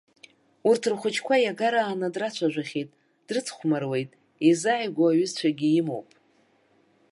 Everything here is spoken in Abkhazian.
Урҭ рхәыҷқәа иагарааны драцәажәахьеит, дрыцхәмаруеит, изааигәоу аҩызцәагьы имоуп.